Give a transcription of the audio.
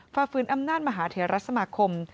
ฟาฟื้นอำนาจมหาเทียรัฐสมาคม